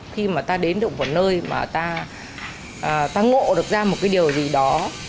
khi mà ta đến được một nơi mà ta ngộ được ra một cái điều gì đó